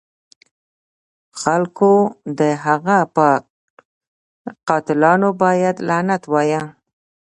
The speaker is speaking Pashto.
خلکو د هغه په قاتلانو باندې لعنت وایه.